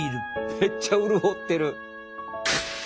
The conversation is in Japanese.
めっちゃ潤ってる。